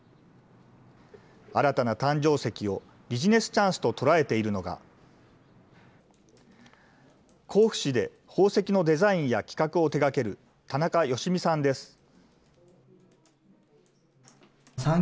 新たな誕生石をビジネスチャンスと捉えているのが、甲府市で宝石のデザインや企画を手がける田中由美さんです。